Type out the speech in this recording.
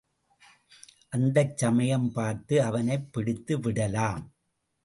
அந்தச் சமயம் பார்த்து அவனைப் பிடித்துவிடலாம்.